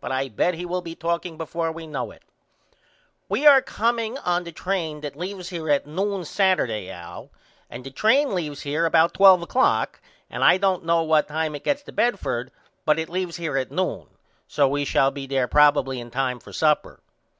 But I bet he will be talking before we know it. We are comeingon the train that leaves here at noon Saturday Al and the train leaves here about 12 o'clock and I don't know what time it gets to Bedford but it leaves here at noon so we shall be there probily in time for supper.